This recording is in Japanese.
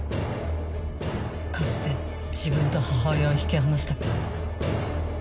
かつて自分と母親を引き離した。